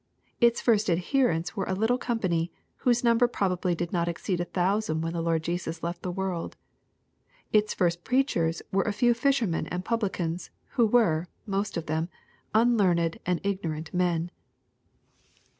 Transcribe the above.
— Its first adherents were a little company, whose number pro bably did not exceed a thousand when the Lord Jesus left the world. — ^Its first preachers were a few fishermen and publicans, wh*o were, most of them, unlearned and ignorant men.